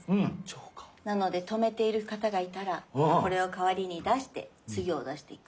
なので止めている方がいたらこれを代わりに出して次を出していく。